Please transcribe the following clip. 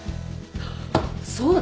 そうだ！